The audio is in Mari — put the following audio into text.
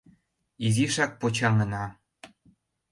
Изишак почаҥына.